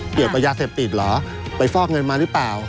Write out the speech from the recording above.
เกี่ยวกับยาเสพติดเหรอไปฟอกเงินมาหรือเปล่า